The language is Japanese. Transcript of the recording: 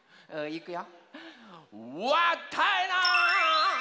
いくよ。